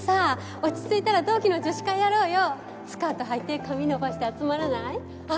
落ち着いたら同期のスカートはいて髪伸ばして集まらないあっ